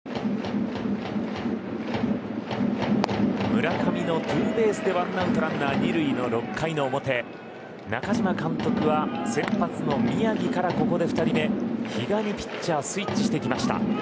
村上のツーベースで１アウトランナー２塁の６回の表中嶋監督は先発の宮城からここで２人目、比嘉にピッチャースイッチしてきました。